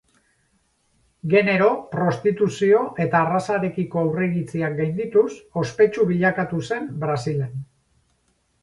Genero, prostituzio eta arrazarekiko aurreiritziak gaindituz, ospetsu bilakatu zen Brasilen.